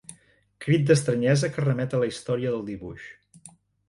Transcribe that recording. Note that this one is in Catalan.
Crit d'estranyesa que remet a la història del dibuix.